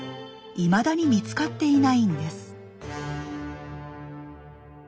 いまだに見つかっていないんです。